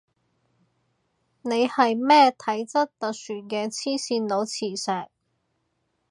你係咩體質特殊嘅黐線佬磁石